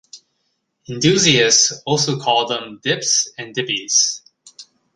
Enthusiasts also call them dips and dippys.